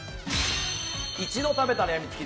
一度食べたらやみつき！